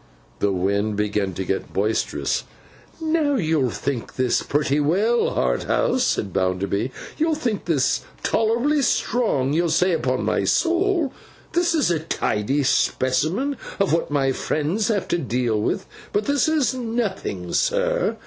The wind began to get boisterous. 'Now, you'll think this pretty well, Harthouse,' said Mr. Bounderby. 'You'll think this tolerably strong. You'll say, upon my soul this is a tidy specimen of what my friends have to deal with; but this is nothing, sir!